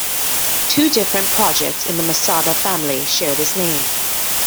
Two different projects in the Masada family share this name.